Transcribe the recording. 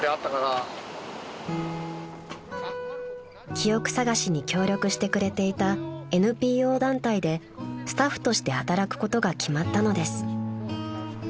［記憶さがしに協力してくれていたＮＰＯ団体でスタッフとして働くことが決まったのです］